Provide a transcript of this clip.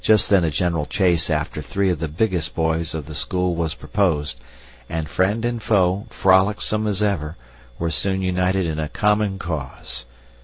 Just then a general chase after three of the biggest boys of the school was proposed and friend and foe, frolicsome as ever, were soon united in a common cause.